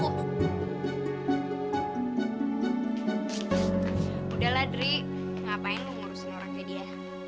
udahlah dri ngapain lu ngurusin orang kayak dia